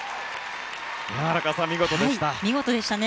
荒川さん、見事でしたね。